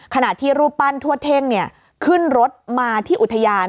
ขณะที่รูปปั้นทั่วเท่งขึ้นรถมาที่อุทยาน